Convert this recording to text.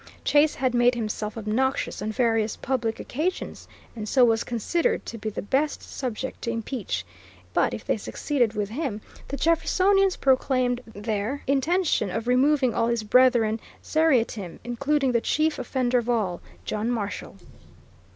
Chase had made himself obnoxious on various public occasions and so was considered to be the best subject to impeach; but if they succeeded with him the Jeffersonians proclaimed their intention of removing all his brethren seriatim, including the chief offender of all, John Marshall.